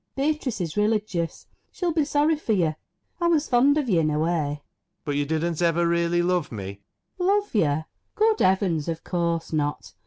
Beatrice is religious. She'll be sorry for you. I was fond of you in a way. ALAN. But you didn't ever really love me ? FANNY. Love you ? Good heavens, of course not